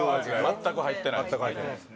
全く入ってないです。